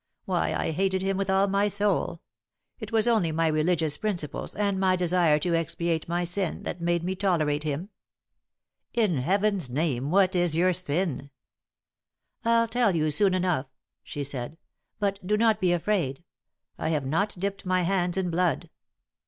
Why, I hated him with all my soul. It was only my religious principles, and my desire to expiate my sin, that made me tolerate him." "In Heaven's name, what is your sin?" "I'll tell you soon enough," she said. "But do not be afraid. I have not dipped my hands in blood.